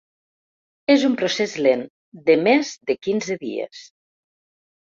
És un procés lent, de més de quinze dies.